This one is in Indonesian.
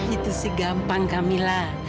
itu sih gampang kamilah